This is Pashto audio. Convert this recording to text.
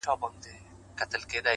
که ژوند راکوې،